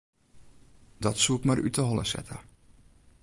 Dat soe ik mar út 'e holle sette.